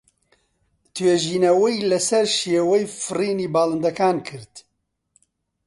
توێژینەوەی لەسەر شێوەی فڕینی باڵندەکان کرد.